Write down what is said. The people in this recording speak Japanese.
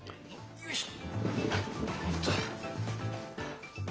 よいしょ。